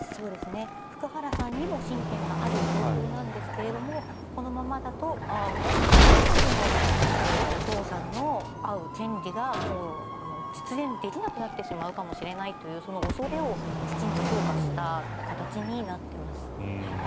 福原さんにも親権がある状況なんですがこのままだと、もしかするとお父さんの会う権利が実現できなくなってしまうかもしれないという恐れをきちんと評価した形になっています。